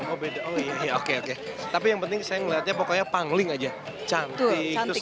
oh beda oh iya oke oke tapi yang penting saya melihatnya pokoknya pangling aja cantik terus